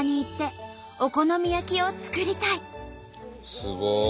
すごい。